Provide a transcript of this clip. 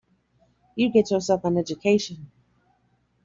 You get yourself an education.